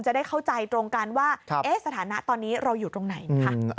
จะได้เข้าใจตรงการว่าครับเอ๊ะสถานะตอนนี้เราอยู่ตรงไหนอืม